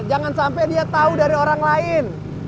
jangan sampe dia tau dari orang lain